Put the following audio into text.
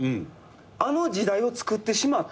あの時代をつくってしまった。